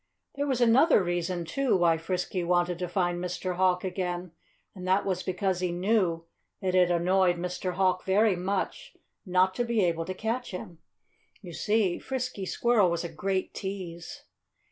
There was another reason, too, why Frisky wanted to find Mr. Hawk again and that was because he knew that it annoyed Mr. Hawk very much not to be able to catch him. You see, Frisky Squirrel was a great tease.